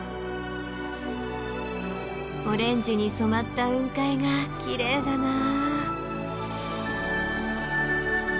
オレンジに染まった雲海がきれいだなあ。